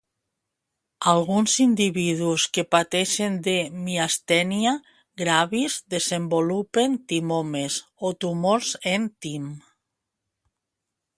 Alguns individus que pateixen de miastènia gravis desenvolupen timomes o tumors en tim.